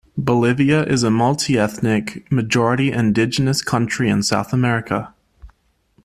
Bolivia is a multiethnic, majority indigenous country in South America.